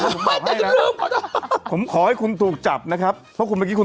จนลืมค่ะจนลืม